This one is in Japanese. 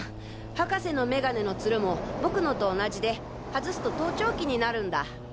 博士の眼鏡のツルも僕のと同じで外すと盗聴器になるんだ。